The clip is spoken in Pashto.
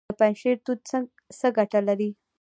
د پنجشیر توت څه ګټه لري؟